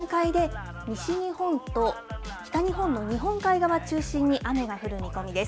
あすの朝の段階で、西日本と北日本の日本海側中心に、雨が降る見込みです。